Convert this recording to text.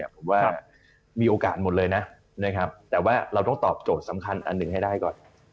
ผมว่ามีโอกาสหมดเลยนะแต่ว่าเราต้องตอบโจทย์สำคัญอันหนึ่งให้ได้ก่อน